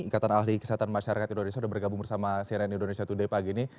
ikatan ahli kesehatan masyarakat indonesia sudah bergabung bersama cnn indonesia today pagi ini